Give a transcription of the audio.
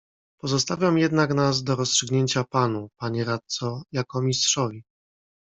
"Pozostawiam jednak nas do rozstrzygnięcia panu, panie radco, jako mistrzowi."